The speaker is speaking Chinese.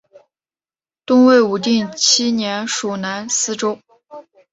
东魏武定七年属南司州。